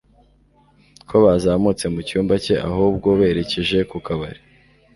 ko bazamutse mucyumba cye ahubwo berekeje ku kabari